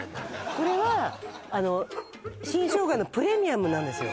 これはあの新生姜のプレミアムなんですよ